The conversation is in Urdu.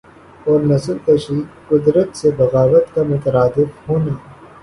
اور نسل کشی قدرت سے بغاوت کا مترادف ہونا